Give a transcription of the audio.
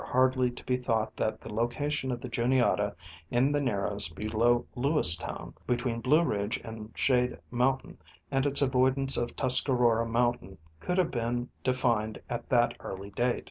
hardly to be thought that the location of the Juniata in the Narrows below Lewistown between Blue Ridge and Shade moun tain and its avoidance of Tuscarora mountain could have been defined at that early date.